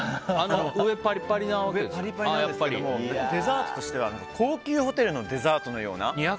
上、パリパリなんですけどデザートとしては高級ホテルのデザートのような。